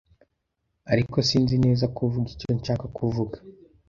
ariko sinzi neza kuvuga icyo nshaka kuvuga.